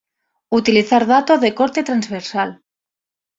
Utilizar datos de corte transversal.